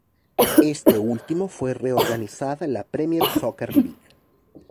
Este último fue reorganizada en la Premier Soccer League.